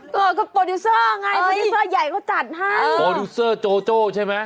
เออก็โปรดิวเซอร์ไงโปรดิวเซอร์ใหญ่เขาจัดให้โปรดิวเซอร์โจโจ้ใช่ไหม